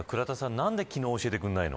何で、昨日教えてくれないの。